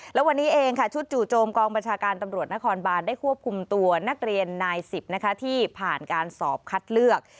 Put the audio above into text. แล้ววันนี้เองค่ะชุดจู่โจมกองบัญชาการตำรวจนครบานได้ควบคุมตัวนักเรียนนาย๑๐ที่ผ่านการสอบคัดเลือก